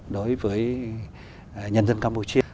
đối với nhân dân campuchia